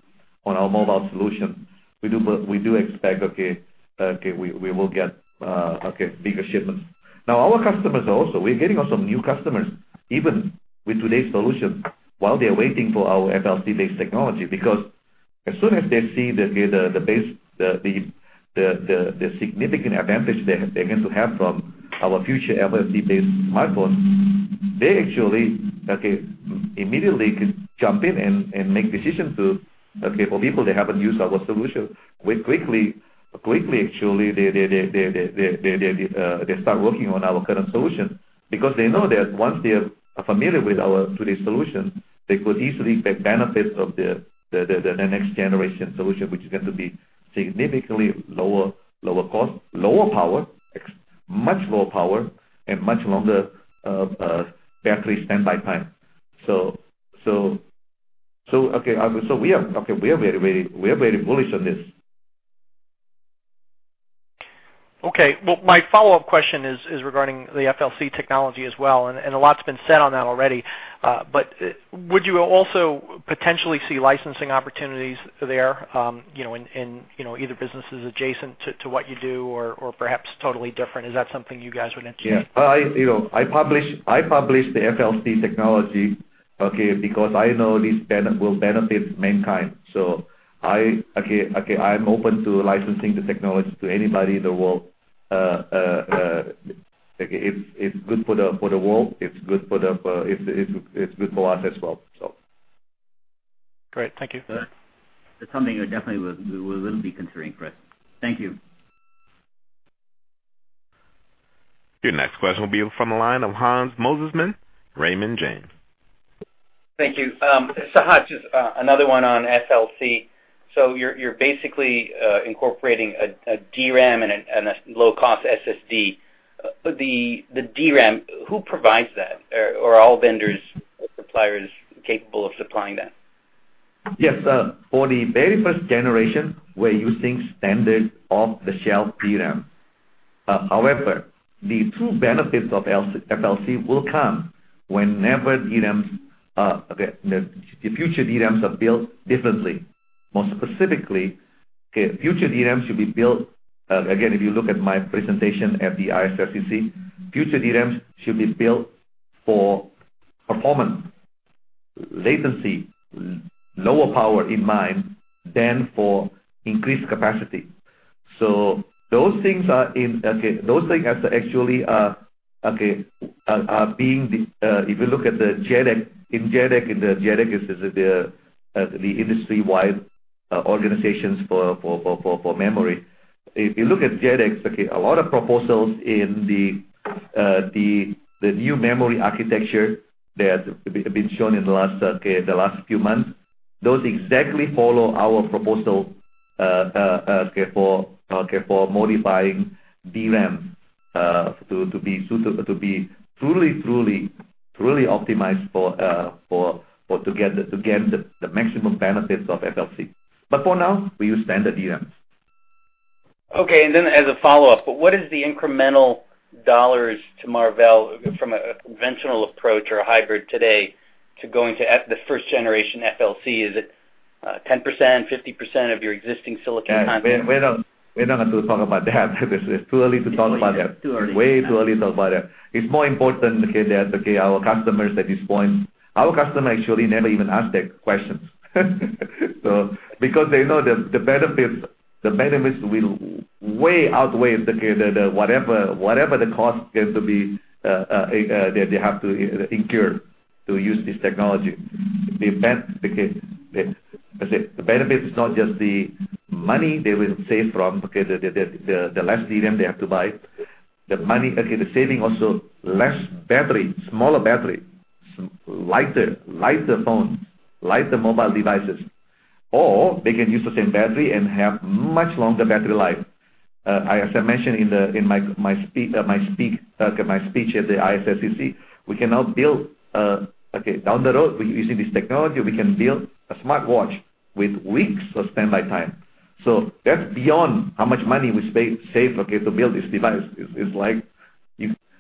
on our mobile solution. We do expect we will get bigger shipments. Now, our customers also. We're getting also some new customers, even with today's solution, while they're waiting for our FLC-based technology, because as soon as they see the significant advantage they're going to have from our future FLC-based smartphones, they actually immediately could jump in and make decisions. For people that haven't used our solution, quickly actually, they start working on our current solution because they know that once they are familiar with our today's solution, they could easily take benefits of the next generation solution, which is going to be significantly lower cost, much lower power, and much longer battery standby time. We are very bullish on this. Okay. Well, my follow-up question is regarding the FLC technology as well, and a lot's been said on that already. Would you also potentially see licensing opportunities there, in either businesses adjacent to what you do or perhaps totally different? Is that something you guys would entertain? Yeah. I published the FLC technology, because I know this will benefit mankind. I am open to licensing the technology to anybody in the world. It's good for the world. It's good for us as well. Great. Thank you. It's something we definitely will be considering, Chris. Thank you. Your next question will be from the line of Hans Mosesmann, Raymond James. Thank you. Sehat, just another one on FLC. You're basically incorporating a DRAM and a low-cost SSD. The DRAM, who provides that? Are all vendors or suppliers capable of supplying that? Yes. For the very first generation, we're using standard off-the-shelf DRAM. However, the true benefits of FLC will come whenever the future DRAMs are built differently. More specifically, Again, if you look at my presentation at the ISSCC, future DRAMs should be built for performance, latency, lower power in mind than for increased capacity. Those things actually, if you look at JEDEC, and JEDEC is the industry-wide organization for memory. If you look at JEDEC, a lot of proposals in the new memory architecture that have been shown in the last few months, those exactly follow our proposal for modifying DRAM to be truly optimized to get the maximum benefits of FLC. For now, we use standard DRAMs. Okay, as a follow-up. What is the incremental $ to Marvell from a conventional approach or a hybrid today to going to the first generation FLC? Is it 10%, 50% of your existing silicon content? We're not going to talk about that. It's too early to talk about that. Too early. Way too early to talk about that. Our customer actually never even asked that question. They know the benefits will way outweigh whatever the cost they have to incur to use this technology. The benefit is not just the money they will save from the less DRAM they have to buy. The saving also, less battery, smaller battery, lighter phone, lighter mobile devices. Or they can use the same battery and have much longer battery life. As I mentioned in my speech at the ISSCC, down the road, using this technology, we can build a smartwatch with weeks of standby time. That's beyond how much money we save to build this device. It's like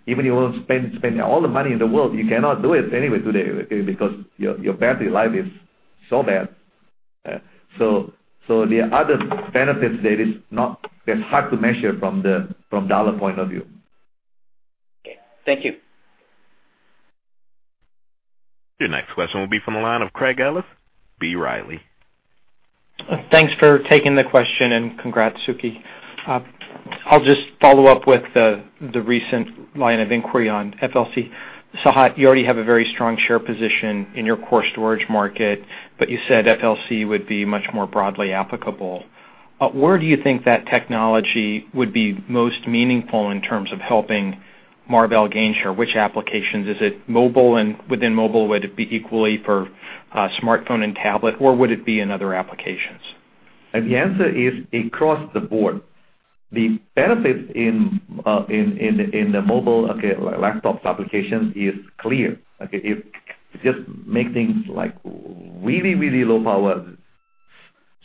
even you want to spend all the money in the world, you cannot do it anyway today, because your battery life is so bad. The other benefits there, that's hard to measure from dollar point of view. Okay. Thank you. Your next question will be from the line of Craig Ellis, B. Riley. Thanks for taking the question, and congrats, Sukhi. I'll just follow up with the recent line of inquiry on FLC. Sehat, you already have a very strong share position in your core storage market, but you said FLC would be much more broadly applicable. Where do you think that technology would be most meaningful in terms of helping Marvell gain share? Which applications? Is it mobile, and within mobile, would it be equally for smartphone and tablet, or would it be in other applications? The answer is across the board. The benefit in the mobile, laptops applications is clear. It just makes things like really low power.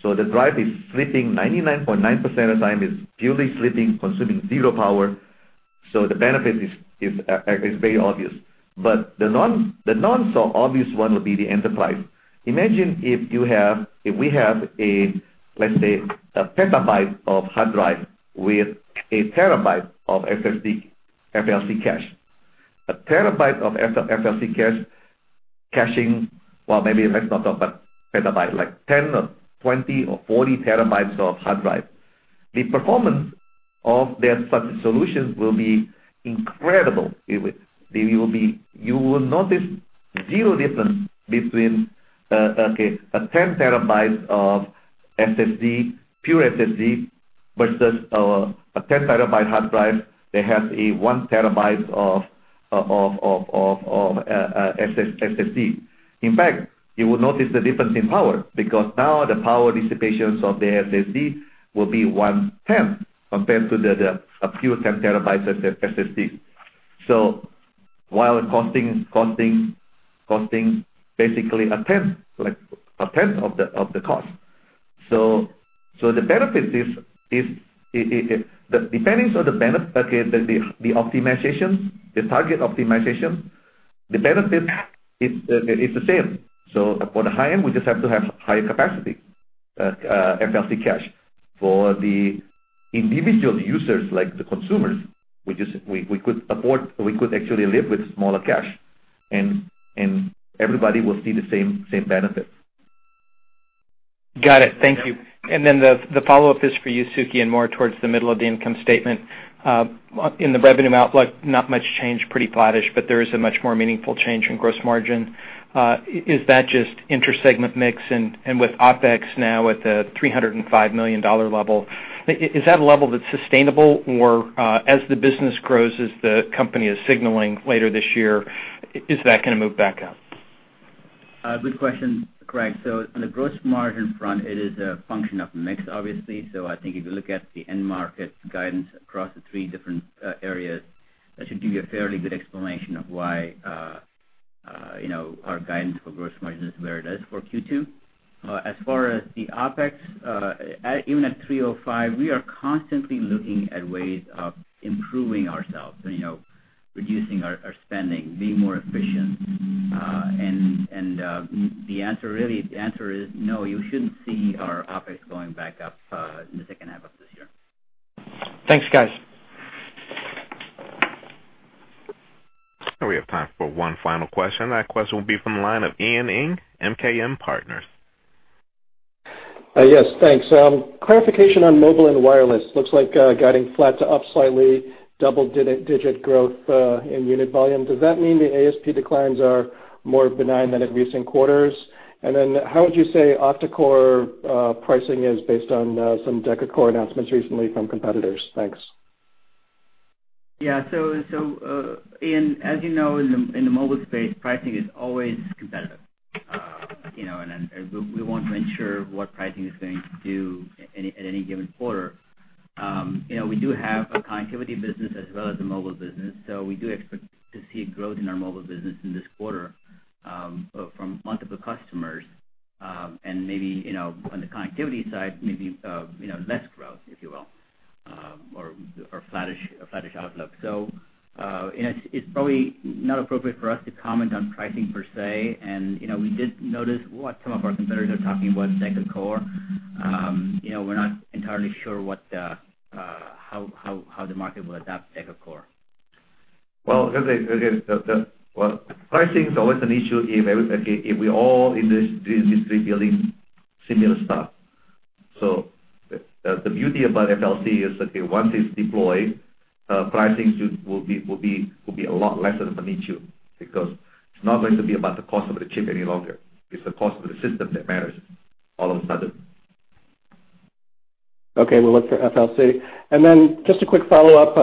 The drive is sleeping 99.9% of time, is purely sleeping, consuming zero power. The benefit is very obvious. The non-so-obvious one will be the enterprise. Imagine if we have a, let's say, a petabyte of hard drive with a terabyte of SSD FLC cache. A terabyte of FLC cache caching, well, maybe let's not talk about petabyte, like 10 or 20 or 40 terabytes of hard drive. The performance of that solution will be incredible. You will notice zero difference between a 10 terabytes of SSD, pure SSD, versus a 10-terabyte hard drive that has a one terabyte of SSD. In fact, you will notice the difference in power, because now the power dissipations of the SSD will be 1/10 compared to the pure 10 terabytes SSD. While costing basically a 10th of the cost. The benefit is, depending on the target optimization, the benefit is the same. For the high-end, we just have to have higher capacity FLC cache. For the individual users, like the consumers, we could actually live with smaller cache, and everybody will see the same benefit. Got it. Thank you. The follow-up is for you, Sukhi, and more towards the middle of the income statement. In the revenue outlook, not much change, pretty flattish, but there is a much more meaningful change in gross margin. Is that just inter-segment mix? With OpEx now at the $305 million level, is that a level that's sustainable? Or as the business grows, as the company is signaling later this year, is that going to move back up? Good question, Craig. On the gross margin front, it is a function of mix, obviously. I think if you look at the end market guidance across the three different areas, that should give you a fairly good explanation of why our guidance for gross margin is where it is for Q2. As far as the OpEx, even at $305 million, we are constantly looking at ways of improving ourselves, reducing our spending, being more efficient. The answer is no, you shouldn't see our OpEx going back up in the second half of this year. Thanks, guys. We have time for one final question. That question will be from the line of Ian Ing, MKM Partners. Yes, thanks. Clarification on mobile and wireless. Looks like guiding flat to up slightly, double-digit growth in unit volume. Does that mean the ASP declines are more benign than in recent quarters? How would you say octa-core pricing is based on some deca-core announcements recently from competitors? Thanks. Yeah. Ian, as you know, in the mobile space, pricing is always competitive. We won't venture what pricing is going to do at any given quarter. We do have a connectivity business as well as a mobile business, so we do expect to see a growth in our mobile business in this quarter from multiple customers. Maybe on the connectivity side, maybe less growth, if you will, or flattish outlook. It's probably not appropriate for us to comment on pricing per se, and we did notice what some of our competitors are talking about deca-core. We're not entirely sure how the market will adapt deca-core. Well, pricing is always an issue if we all in this industry building similar stuff. The beauty about FLC is that once it's deployed, pricing will be a lot lesser of an issue because it's not going to be about the cost of the chip any longer. It's the cost of the system that matters all of a sudden. Okay, we'll look for FLC. Then just a quick follow-up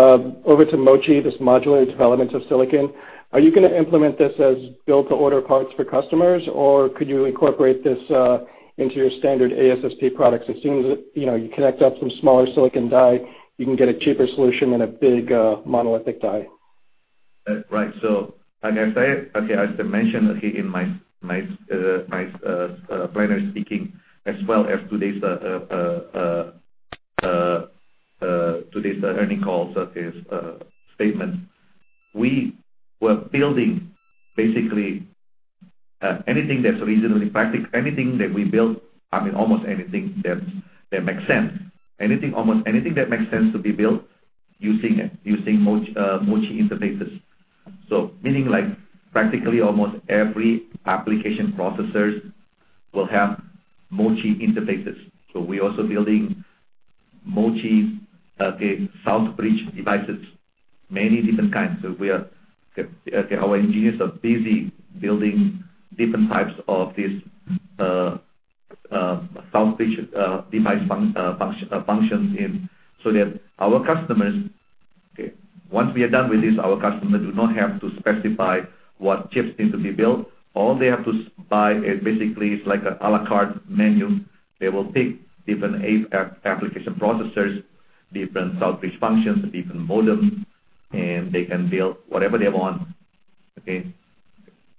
over to MoChi, this modular development of silicon. Are you going to implement this as build-to-order parts for customers, or could you incorporate this into your standard ASSP products? It seems you connect up some smaller silicon die, you can get a cheaper solution than a big monolithic die. Right. As I mentioned in my plenary speaking as well as today's earnings call statement, we were building basically anything that's reasonably practical, anything that we build, I mean, almost anything that makes sense. Almost anything that makes sense to be built using MoChi interfaces. Meaning like practically almost every application processors will have MoChi interfaces. We're also building MoChi southbridge devices, many different kinds. Our engineers are busy building different types of these southbridge device functions so that our customers, once we are done with this, our customers do not have to specify what chips need to be built. All they have to buy basically is like an a la carte menu. They will pick different application processors, different southbridge functions, different modems, and they can build whatever they want, okay?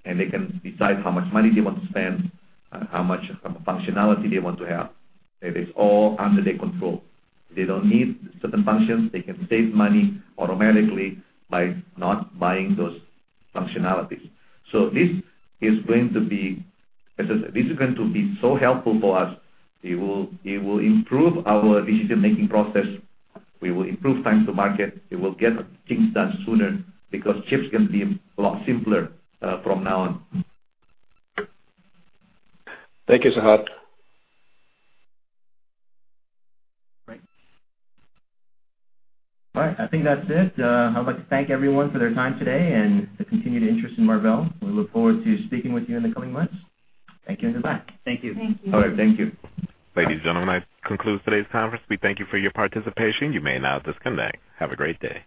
They can decide how much money they want to spend, how much functionality they want to have. That is all under their control. If they don't need certain functions, they can save money automatically by not buying those functionalities. This is going to be so helpful for us. It will improve our decision-making process. We will improve time to market. We will get things done sooner because chips can be a lot simpler from now on. Thank you, Sehat. Great. All right. I think that's it. I'd like to thank everyone for their time today and the continued interest in Marvell. We look forward to speaking with you in the coming months. Thank you and goodbye. Thank you. All right. Thank you. Ladies and gentlemen, that concludes today's conference. We thank you for your participation. You may now disconnect. Have a great day.